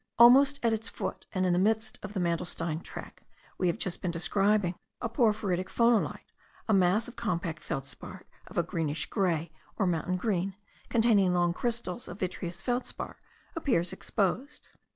Almost at its foot, and in the midst of the mandelstein tract we have just been describing, a porphyritic phonolite, a mass of compact feldspar of a greenish grey, or mountain green, containing long crystals of vitreous feldspar, appears exposed.